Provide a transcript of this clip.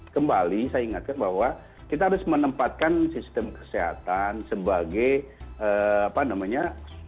kembali saya ingatkan bahwa kita harus menempatkan sistem kesehatan sebagai apa namanya